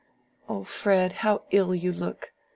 "Oh, Fred, how ill you look!